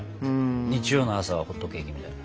日曜の朝はホットケーキみたいな。